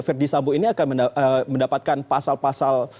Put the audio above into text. verdi sambo ini akan mendapatkan pasal pasal